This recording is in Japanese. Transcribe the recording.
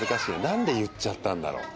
なんで言っちゃったんだろう？